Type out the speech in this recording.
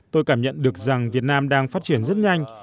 tôi cảm nhận được rằng việt nam đang phát triển rất nhanh